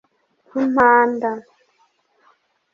Impanda